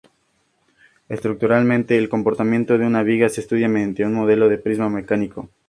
Estructuralmente el comportamiento de una viga se estudia mediante un modelo de prisma mecánico.